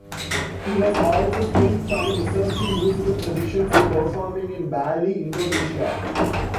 He has also spent time researching musical traditions and performing in Bali, Indonesia.